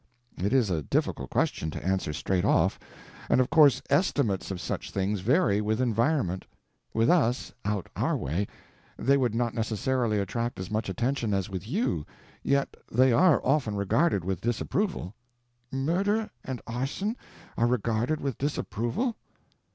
"It is a difficult question to answer straight off—and of course estimates of such things vary with environment. With us, out our way, they would not necessarily attract as much attention as with you, yet they are often regarded with disapproval—" "Murder and arson are regarded with disapproval?"